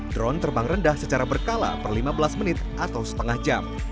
drone terbang rendah secara berkala per lima belas menit atau setengah jam